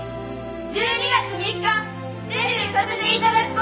１２月３日デビューさせていただくことになりました！